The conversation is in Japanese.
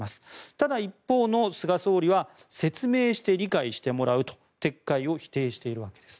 ただ、一方の菅総理は説明して理解してもらうと撤回を否定しているわけです。